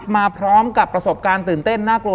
มาพร้อมกับประสบการณ์ตื่นเต้นน่ากลัว